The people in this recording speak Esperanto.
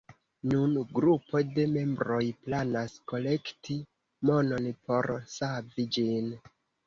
Nun grupo de membroj planas kolekti monon por savi ĝin.